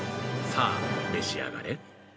さあ、召し上がれ！